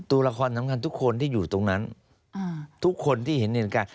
ตัวละครสำคัญทุกคนที่อยู่ตรงนั้นทุกคนที่เห็นเหตุการณ์